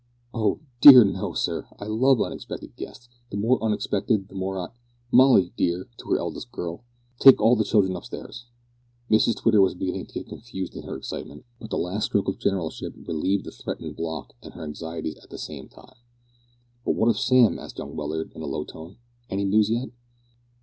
"Oh! dear, no, sir, I love unexpected guests the more unexpected the more I Molly, dear," (to her eldest girl), "take all the children up stairs." Mrs Twitter was beginning to get confused in her excitement, but the last stroke of generalship relieved the threatened block and her anxieties at the same time. "But what of Sam?" asked young Welland in a low tone; "any news yet?"